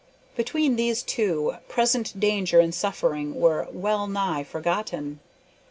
Between these two, present danger and suffering were well nigh forgotten.